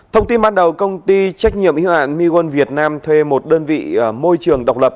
thông tin ban đầu công ty trách nhiệm yêu hạn miwan việt nam thuê một đơn vị môi trường độc lập